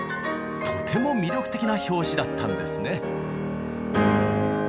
とても魅力的な拍子だったんですね。